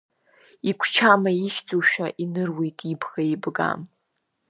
Игәчама ихьӡошәа иныруеит, ибӷа еибгам.